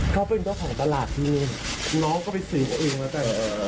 เขาเป็นเจ้าของตลาดน้องก็ไปซื้อเขาเองละ